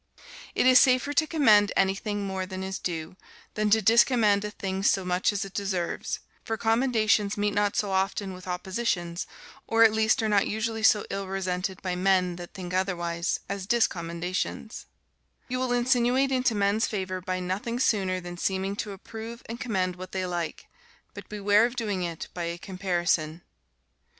It is safer to commend any thing more than is due, than to discommend a thing soe much as it deserves; for commendations meet not soe often with oppositions, or, at least, are not usually soe ill resented by men that think otherwise, as discommendations; and you will insinuate into men's favour by nothing sooner than seeming to approve and commend what they like; but beware of doing it by a comparison.